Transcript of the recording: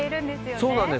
そうなんです。